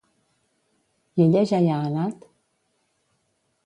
I ella ja hi ha anat?